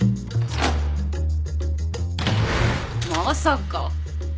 まさか！